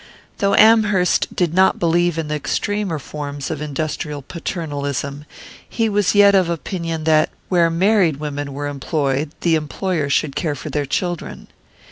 Though Amherst did not believe in the extremer forms of industrial paternalism, he was yet of opinion that, where married women were employed, the employer should care for their children.